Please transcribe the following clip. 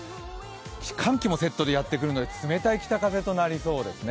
寒気もセットでやってくるので冷たい北風となりそうですね。